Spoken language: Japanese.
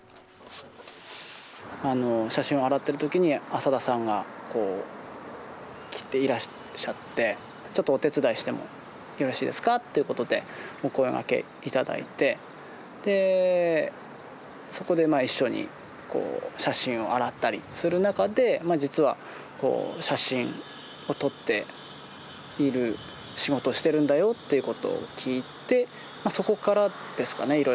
写真を洗ってる時に浅田さんがいらっしゃってちょっとお手伝いしてもよろしいですかっていうことでお声がけ頂いてでそこでまあ一緒に写真を洗ったりする中で実は写真を撮っている仕事をしてるんだよっていうことを聞いてそこからですかね